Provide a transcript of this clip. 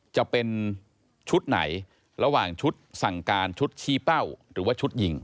จะเป็นชุดไหนระหว่างชุดสั่งการชุดชี้เป้าหรือว่าชุดยิง